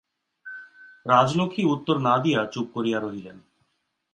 রাজলক্ষ্মী উত্তর না দিয়া চুপ করিয়া রহিলেন।